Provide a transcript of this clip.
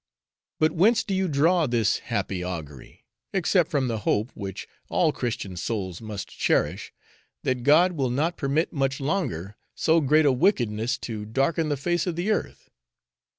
But whence do you draw this happy augury, except from the hope, which all Christian souls must cherish, that God will not permit much longer so great a wickedness to darken the face of the earth?